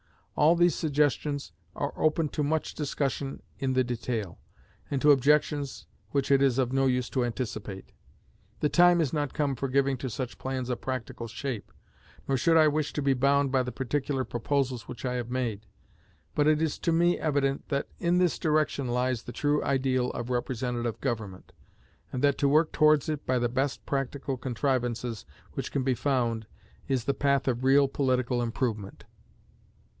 All these suggestions are open to much discussion in the detail, and to objections which it is of no use to anticipate. The time is not come for giving to such plans a practical shape, nor should I wish to be bound by the particular proposals which I have made. But it is to me evident that in this direction lies the true ideal of representative government; and that to work towards it by the best practical contrivances which can be found is the path of real political improvement.